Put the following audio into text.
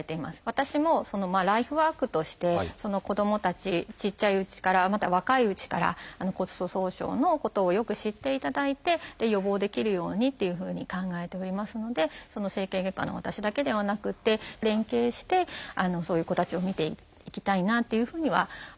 私もライフワークとして子どもたちちっちゃいうちからまだ若いうちから骨粗しょう症のことをよく知っていただいて予防できるようにっていうふうに考えておりますので整形外科の私だけではなくて連携してそういう子たちを診ていきたいなというふうには考えてますね。